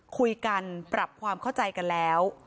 คุยกันปรับความเข้าใจกันแล้ว